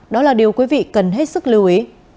đó là điều quý vị cần hết sức lưu ý